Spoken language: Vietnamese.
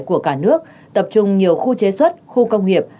của cả nước tập trung nhiều khu chế xuất khu công nghiệp